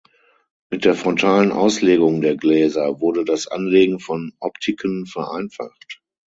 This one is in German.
Mit der frontalen Auslegung der Gläser wurde das Anlegen von Optiken vereinfacht.